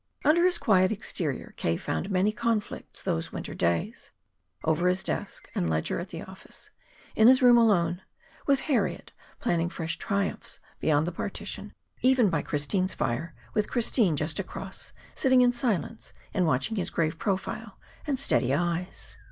Under his quiet exterior K. fought many conflicts those winter days over his desk and ledger at the office, in his room alone, with Harriet planning fresh triumphs beyond the partition, even by Christine's fire, with Christine just across, sitting in silence and watching his grave profile and steady eyes.